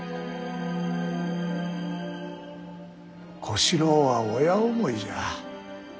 小四郎は親思いじゃ。